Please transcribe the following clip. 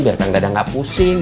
biar kang dadang gak pusing